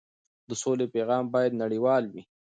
د سولې پیغام باید نړیوال وي.